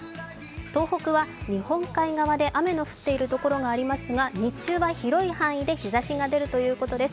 東北は日本海側で雨の降っているところがありますが日中は広い範囲で日ざしが出るということです。